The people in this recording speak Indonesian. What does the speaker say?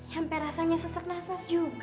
sampai rasanya sesak nafas juga aku